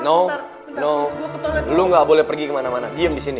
no lo gak boleh pergi kemana mana diem di sini